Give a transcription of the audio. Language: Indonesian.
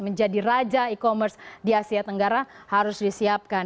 menjadi raja e commerce di asia tenggara harus disiapkan